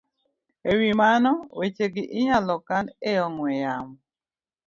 E wi mano, wechegi inyalo kan e ong'we yamo